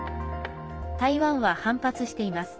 台湾は反発しています。